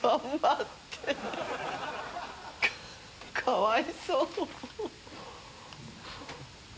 かわいそう。